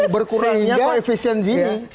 berkurangnya koefisien gini